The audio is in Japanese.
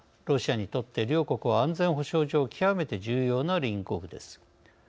ロシアにとって両国は安全保障上極めて重要な隣国です。